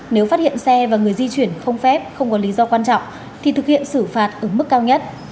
nếu phát hiện xe và người di chuyển không phép không có lý do quan trọng thì thực hiện xử phạt ở mức cao nhất